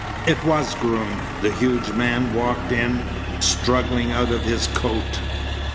It was Groom. The huge man walked in, struggling out of his coat.